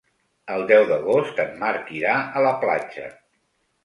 El deu d'agost en Marc irà a la platja.